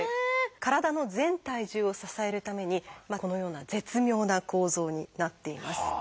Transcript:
体の全体重を支えるためにこのような絶妙な構造になっています。